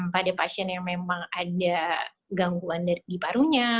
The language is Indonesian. pada pasien yang memang ada gangguan di parunya